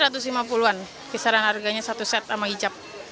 disini satu ratus lima puluh an kisaran harganya satu set sama hijab